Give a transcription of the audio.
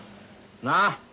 なあ！